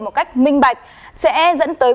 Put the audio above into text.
một cách minh bạch sẽ dẫn tới